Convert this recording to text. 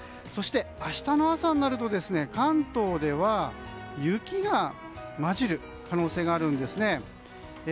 そして、明日の朝になると関東では雪が交じる可能性があるんですね。